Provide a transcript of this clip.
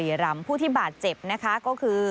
ที่นำตัวผู้ที่ได้รับบาดเจ็บที่นำตัวผู้ที่ได้รับบาดเจ็บ